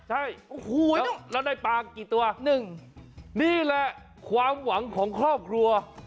ใช่แล้วได้ปลากี่ตัวนี่แหละความหวังของครอบครัว